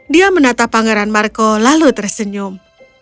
dia menata pangeran marco lalu tersenyum